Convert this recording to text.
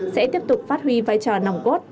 sẽ tiếp tục phát huy vai trò nòng gót